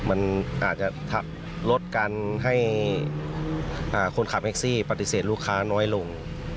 มันอาจจะลดการให้คนขับแท็กซี่ปฏิเสธลูกค้าน้อยลง